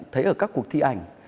thấy ở các cuộc thi ảnh